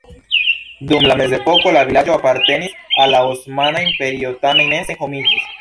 Dum la mezepoko la vilaĝo apartenis al la Osmana Imperio, tamen ne senhomiĝis.